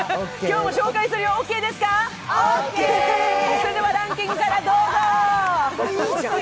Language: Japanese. それではランキングからどうぞ。